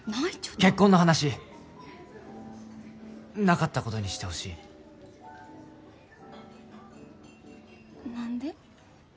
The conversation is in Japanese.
結婚の話なかったことにしてほしい何で？